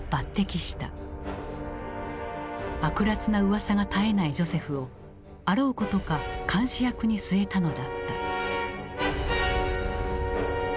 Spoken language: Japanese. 悪辣なうわさが絶えないジョセフをあろうことか監視役に据えたのだった。